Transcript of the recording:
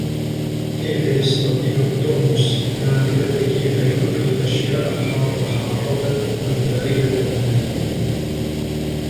كيف يستطيع الترمس معرفة كيف يبقي الأشياء الحارة حارةً ؛ والباردة باردةً ؟